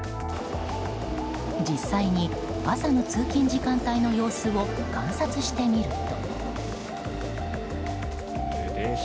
実際に朝の通勤時間帯の様子を観察してみると。